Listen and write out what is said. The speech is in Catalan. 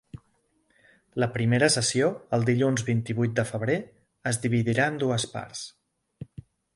La primera sessió, el dilluns vint-i-vuit de febrer, es dividirà en dues parts.